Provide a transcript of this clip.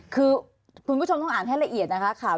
คือคุณผู้ชมต้องอ่านให้ละเอียดนะคะข่าว